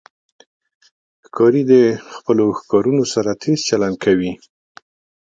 ښکاري د خپلو ښکارونو سره تیز چلند کوي.